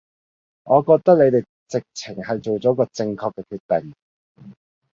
我覺得你哋直情係做咗個正確嘅決定